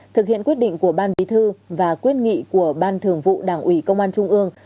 thực hiện quyết định của ban bí thư và quyết nghị của ban thường vụ đảng ủy công an trung ương